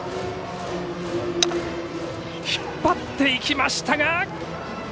引っ張っていきましたが。